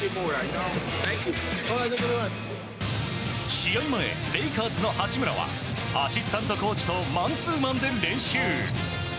試合前、レイカーズの八村はアシスタントコーチとマンツーマンで練習。